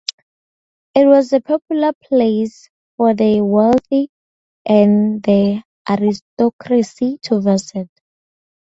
It was a popular place for the wealthy and the aristocracy to visit.